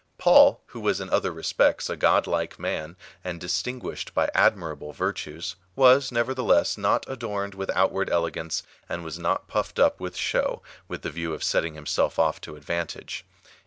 Paul, who was in other respects a god like man, and dis tinguished by admirable virtues, was, nevertheless, not adorned with outward elegance, and was not puiFed up with show, with the view of setting himself oif to advantage.